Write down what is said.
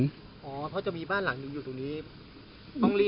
อ๋อเพราะจะมีบ้านหลังอยู่ตรงนี้